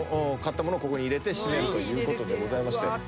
買ったものをここに入れて閉めるということでございまして。